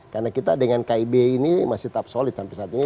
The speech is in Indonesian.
karena kita dengan kib ini masih tetap solid sampai saat ini